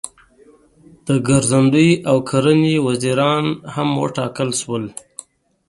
د ګرځندوی او کرنې وزیر هم وټاکل شول.